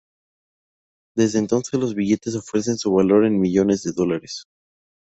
Desde entonces los billetes ofrecen su valor en millones de dólares.